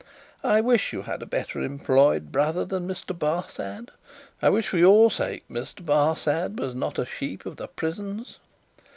I wish you had a better employed brother than Mr. Barsad. I wish for your sake Mr. Barsad was not a Sheep of the Prisons."